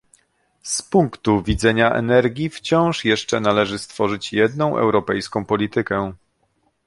Z punktu widzenia energii wciąż jeszcze należy stworzyć jedną europejską politykę